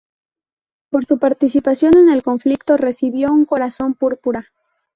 Por su participación en el conflicto recibió un Corazón Púrpura.